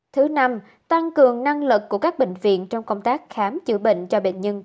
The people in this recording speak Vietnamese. thứ năm tăng cường năng lực của các bệnh viện trong công tác khám chữa bệnh cho bệnh nhân covid một mươi chín